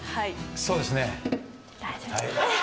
そうですね。